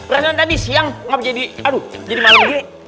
rancangan tadi siang gak bisa jadi malu